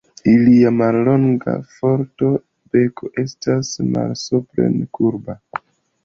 Ilia mallonga, forta beko estas malsupren kurba.